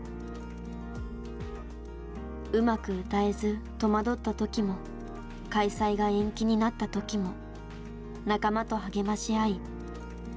うまく歌えず戸惑った時も開催が延期になった時も仲間と励まし合い乗り越えてきた。